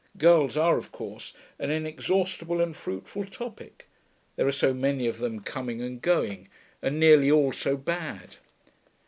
Girls are, of course, an inexhaustible and fruitful topic there are so many of them coming and going, and nearly all so bad.